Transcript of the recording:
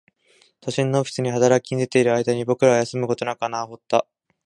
都心のオフィスに働き出ている間に、僕らは休むことなく穴を掘った